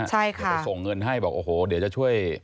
จะส่งเงินให้บอกโอ้โหเดี๋ยวจะช่วย